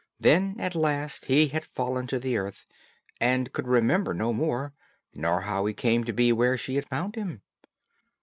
Then at last he had fallen to the earth, and could remember no more, nor how he came to be where she had found him.